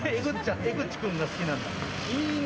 江口君が好きなんだ。